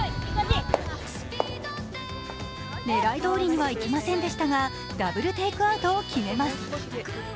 狙いどおりにはいきませんでしたがダブルテイクアウトを決めます。